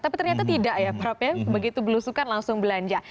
tapi ternyata tidak ya begitu belusukan langsung belanja